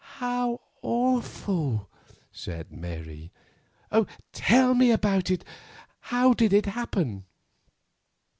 "How awful!" said Mary. "Tell me about it; how did it happen?"